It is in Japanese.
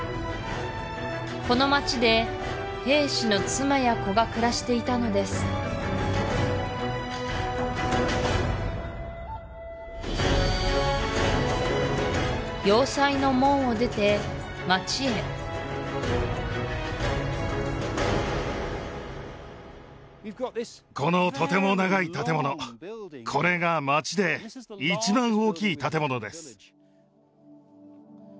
この街で兵士の妻や子が暮らしていたのです要塞の門を出て街へこのとても長い建物これが街で一番大きい建物です